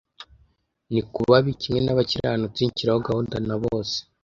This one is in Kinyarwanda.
Ni kubabi kimwe nabakiranutsi, nshiraho gahunda na bose,